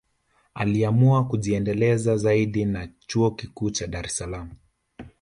Aliamua kujiendeleza zaidi na chuo Kikuu cha Dar es Salaam